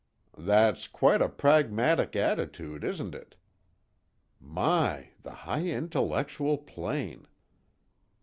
"That's quite a pragmatic attitude, isn't it?" _My, the high intellectual plane!